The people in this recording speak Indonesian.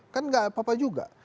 kan nggak apa apa juga